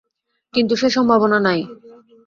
কিন্তু সে সম্ভাবনা নাই।